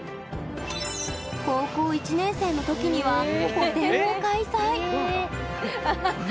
高校１年生の時には個展を開催。